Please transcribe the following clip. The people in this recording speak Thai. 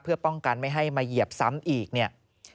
เพื่อป้องกันไม่ให้มาเหยียบซ้ำอีกเนี่ย